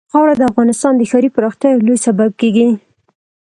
خاوره د افغانستان د ښاري پراختیا یو لوی سبب کېږي.